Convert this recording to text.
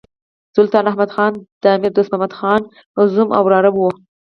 سلطان احمد خان د امیر دوست محمد خان زوم او وراره وو.